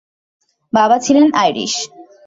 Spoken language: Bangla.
বাবা ছিলেন আইরিশ।